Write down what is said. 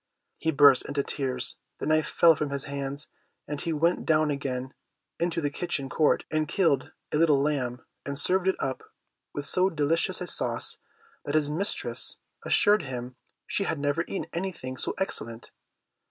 He burst into tears, the knife fell from his hands, and he went down again into the kitchen court and killed a little lamb, and served it up with so delicious a sauce, that his mistress assured him she had never eaten anything so excellent.